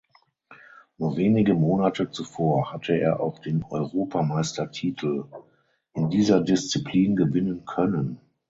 Nur wenige Monate zuvor hatte er auch den Europameistertitel in dieser Disziplin gewinnen können.